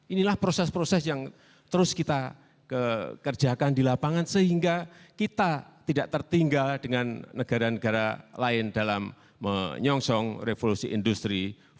inilah proses proses yang terus kita kerjakan di lapangan sehingga kita tidak tertinggal dengan negara negara lain dalam menyongsong revolusi industri empat